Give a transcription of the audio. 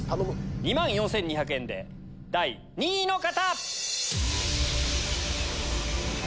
２万４２００円で第２位の方！